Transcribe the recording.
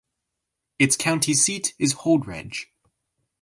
Its county seat is Holdrege.